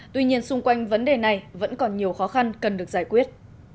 tuy nhiên xung quanh vấn đề này vẫn còn nhiều khó khăn cần được giải quyết